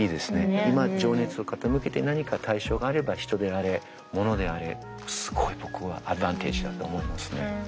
今情熱を傾けて何か対象があれば人であれ物であれすごい僕はアドバンテージだと思いますね。